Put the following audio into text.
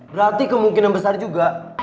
berarti kemungkinan besar juga